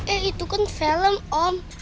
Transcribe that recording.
eh itu kan film om